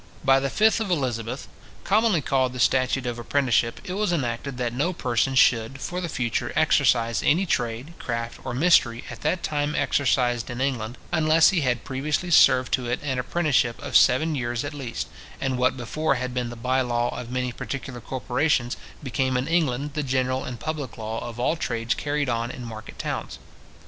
By the 5th of Elizabeth, commonly called the Statute of Apprenticeship, it was enacted, that no person should, for the future, exercise any trade, craft, or mystery, at that time exercised in England, unless he had previously served to it an apprenticeship of seven years at least; and what before had been the bye law of many particular corporations, became in England the general and public law of all trades carried on in market towns.